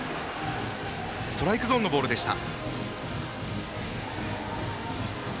ストライクゾーンのボールでした。